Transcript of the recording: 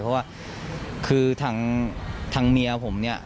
เพราะว่าคือทางเมียผมเนี่ย